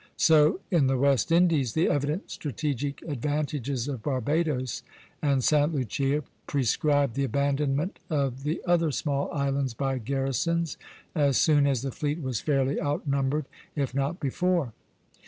So in the West Indies the evident strategic advantages of Barbadoes and Sta. Lucia prescribed the abandonment of the other small islands by garrisons as soon as the fleet was fairly outnumbered, if not before.